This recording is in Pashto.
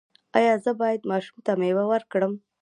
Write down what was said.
ایا زه باید ماشوم ته میوه ورکړم؟